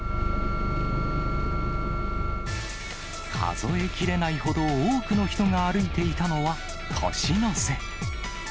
数えきれないほど、多くの人が歩いていたのは、年の瀬。